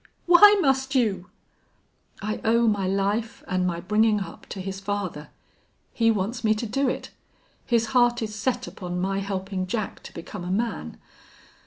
"Why must you?" "I owe my life and my bringing up to his father. He wants me to do it. His heart is set upon my helping Jack to become a man....